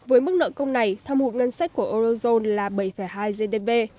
với mức nợ công này thâm hụt ngân sách của eurozone là bảy hai gdp